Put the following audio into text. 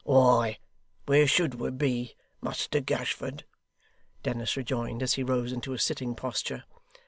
'Why, where should we be, Muster Gashford!' Dennis rejoined as he rose into a sitting posture.